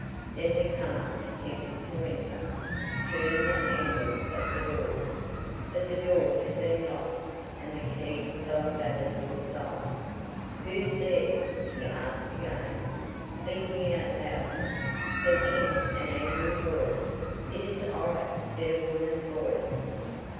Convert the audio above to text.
Then the comer attempted to enter, turning the handle of the door. But the door had been locked, and the key was on Vavasor's side. "Who's there?" he asked again, speaking out loudly, but in an angry voice. "It is I," said a woman's voice.